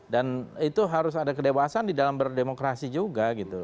dan itu harus ada kedewasan di dalam berdemokrasi juga gitu